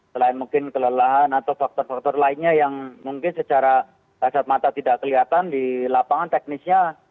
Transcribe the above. selain mungkin kelelahan atau faktor faktor lainnya yang mungkin secara kasat mata tidak kelihatan di lapangan teknisnya